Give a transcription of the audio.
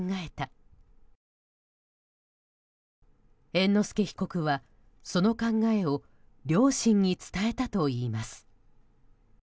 猿之助被告は、その考えを両親に伝えたといいます。